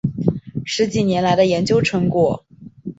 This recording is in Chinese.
十几年来的研究成果